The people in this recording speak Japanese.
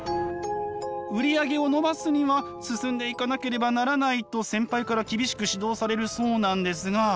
売り上げを伸ばすには進んで行かなければならないと先輩から厳しく指導されるそうなんですが